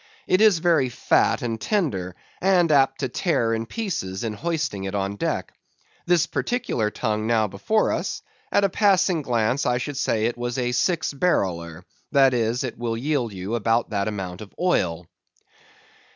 It is very fat and tender, and apt to tear in pieces in hoisting it on deck. This particular tongue now before us; at a passing glance I should say it was a six barreler; that is, it will yield you about that amount of oil.